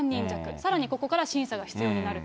さらにここから審査が必要になると。